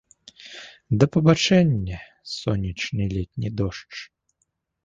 Да пабачэння, сонечны летні дождж!